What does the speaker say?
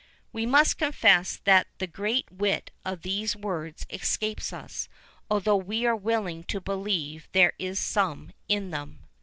[VIII 35] We must confess that the great wit of these words escapes us, although we are willing to believe there is some in them.